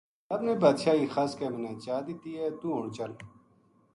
رب نے بادشاہی خس کے منا چا دتی ہے توہ ہن چل